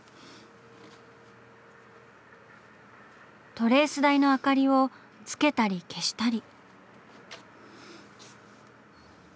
トレース台の明かりをつけたり消したり。